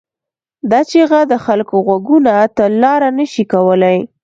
دا چیغه د خلکو غوږونو ته لاره نه شي کولای.